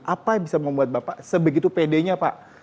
apa yang bisa membuat bapak sebegitu pedenya pak